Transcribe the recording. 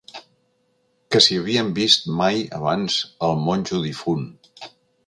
Que si havíem vist mai abans el monjo difunt.